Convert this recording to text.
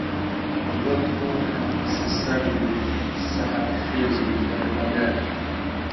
وەک تۆ هەناسەسەرد و سەحەرخێز و دەربەدەر